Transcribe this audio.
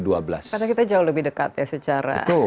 karena kita jauh lebih dekat ya secara